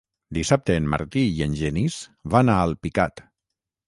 Dissabte en Martí i en Genís van a Alpicat.